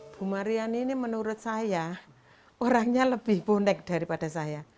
bu mariani ini menurut saya orangnya lebih bonek daripada saya